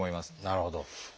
なるほど。